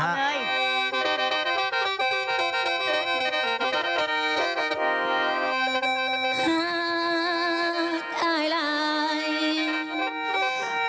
หากตายหลาย